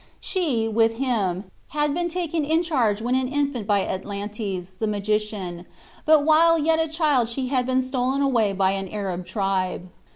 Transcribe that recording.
She, with him, had been taken in charge when an infant by Atlantes, the magician, but while yet a child she had been stolen away by an Arab tribe.